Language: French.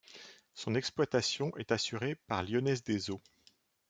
Son exploitation est assurée par Lyonnaise des Eaux.